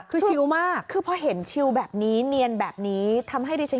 คือชิลมากคือพอเห็นชิลแบบนี้เนียนแบบนี้ทำให้ดิฉัน